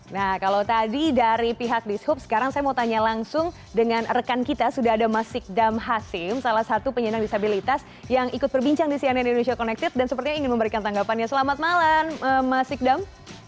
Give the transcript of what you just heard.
nah kalau tadi dari pihak dishub sekarang saya mau tanya langsung dengan rekan kita sudah ada mas sikdam hasim salah satu penyandang disabilitas yang ikut berbincang di cnn indonesia connected dan sepertinya ingin memberikan tanggapannya selamat malam mas sikdam